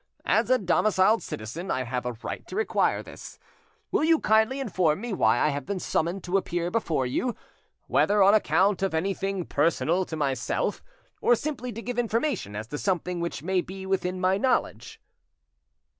As a domiciled citizen I have a right to require this. Will you kindly inform me why I have been summoned to appear before you, whether on account of anything personal to myself, or simply to give information as to something which may be within my knowledge?"